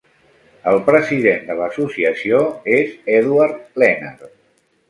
El president de l'associació és Edward Lennard.